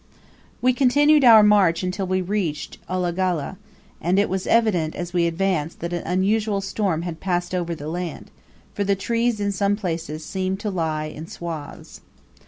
We continued our march until we reached Ulagalla, and it was evident, as we advanced, that an unusual storm had passed over the land, for the trees in some places seemed to lie in swathes.